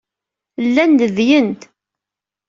Llan ledyen.